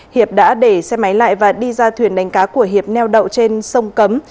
hiệp đã để xe máy lại và đi ra thuyền đánh cá của hiệp neo đậu trên sông cấm